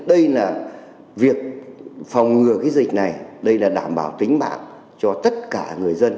đây là việc phòng ngừa cái dịch này đây là đảm bảo tính mạng cho tất cả người dân